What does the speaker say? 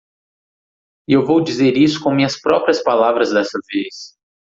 E eu vou dizer isso com minhas próprias palavras dessa vez.